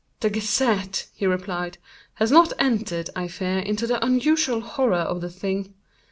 "The 'Gazette,'" he replied, "has not entered, I fear, into the unusual horror of the thing.